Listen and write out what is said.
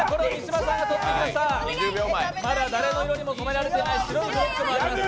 まだ誰の色にも染められていない白いブロックもあります。